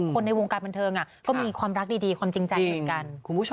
ในวงการบันเทิงก็มีความรักดีความจริงใจเหมือนกันคุณผู้ชม